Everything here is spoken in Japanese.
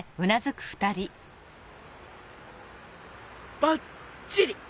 ばっちり！